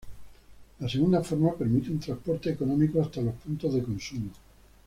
La segunda forma permite un transporte económico hasta los puntos de consumo.